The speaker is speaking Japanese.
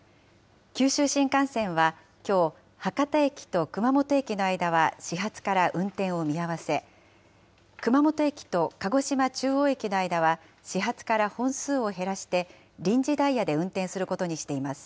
九州新幹線はきょう、博多駅と熊本駅の間は始発から運転を見合わせ、熊本駅と鹿児島中央駅の間は始発から本数を減らして、臨時ダイヤで運転することにしています。